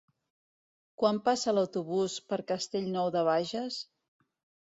Quan passa l'autobús per Castellnou de Bages?